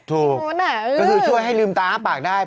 ก็คือช่วยให้ลืมตาปากได้